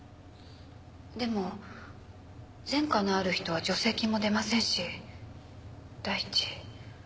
でも前科のある人は助成金も出ませんし第一。